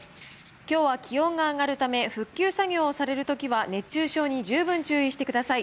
きょうは気温が上がるため、復旧作業をされるときは、熱中症に十分注意してください。